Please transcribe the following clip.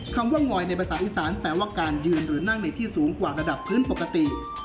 คำว่างอยในภาษาอีสานแปลว่าการยืนหรือนั่งในที่สูงกว่าระดับพื้นปกติ